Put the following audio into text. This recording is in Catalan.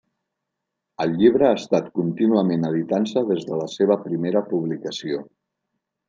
El llibre ha estat contínuament editant-se des de la seva primera publicació.